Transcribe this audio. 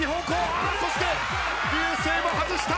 あそして流星も外した！